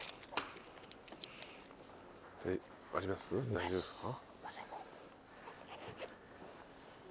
大丈夫っすか？